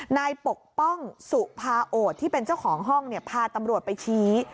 ปกป้องสุภาโอดที่เป็นเจ้าของห้องพาตำรวจไปชี้